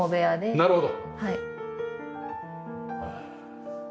なるほど。